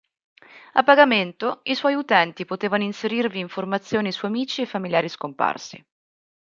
A pagamento i suoi utenti potevano inserirvi informazioni su amici e familiari scomparsi.